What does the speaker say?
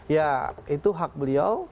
ya itu hak beliau